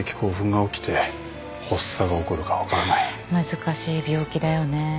難しい病気だよねぇ。